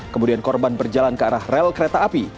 kemudian korban berjalan ke arah rel kereta api